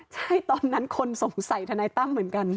ใช่ตอนนั้นคนสงสัยทนายตั้มเหมือนกัน